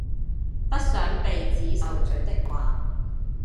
不想鼻子受罪的話